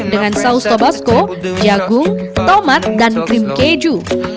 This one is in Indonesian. dengan saus tobasco jagung tomat dan krim keju